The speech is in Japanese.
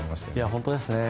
本当ですね。